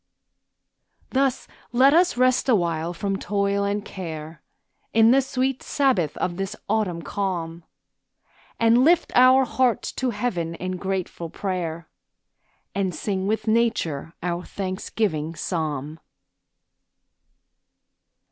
Thus let us rest awhile from toil and care, In the sweet sabbath of this autumn calm, And lift our hearts to heaven in grateful prayer, And sing with nature our thanksgiving psalm.